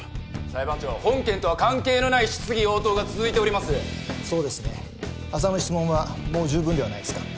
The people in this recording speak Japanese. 裁判長本件とは関係のない質疑応答が続いておりますそうですねアザの質問はもう十分ではないですか？